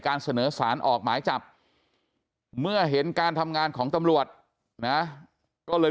เสนอสารออกหมายจับเมื่อเห็นการทำงานของตำรวจนะก็เลย